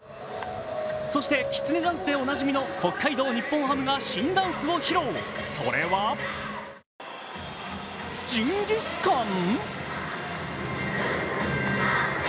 そしてきつねダンスでおなじみの北海道日本ハムが新ダンスを披露、それはジンギスカン？